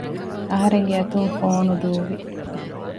އަހަރެންގެ އަތުން ފޯނު ދޫވި